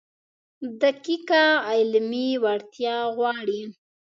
دقیقه علمي وړتیا غواړي.